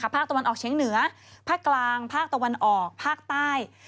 ภาคตะวันออกเชียงเหนือภาคกลางภาคตะวันออกภาคใต้